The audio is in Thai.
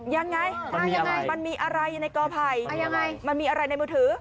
ยังไงมันมีอะไรอยู่ในกอไผ่มันมีอะไรในมือถือ